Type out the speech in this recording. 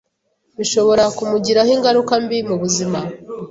bishobora kumugiraho ingaruka mbi mu buzima.